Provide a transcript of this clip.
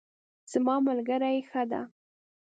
زما ملګری ښه ده